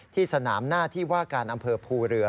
ที่สนามหน้าที่ว่าการอำเภอภูเรือ